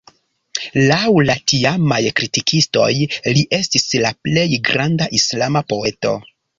Laŭ la tiamaj kritikistoj li estis la plej granda islama poeto.